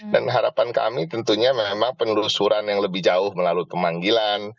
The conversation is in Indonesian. dan harapan kami tentunya memang penelusuran yang lebih jauh melalui kemanggilan